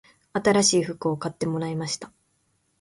新しい服を買ってもらいました